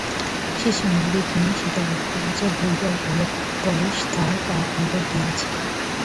সে সুন্দরী কি না সেটা লক্ষ্যগোচর হইবার বয়স তাহার পার হইয়া গেছে।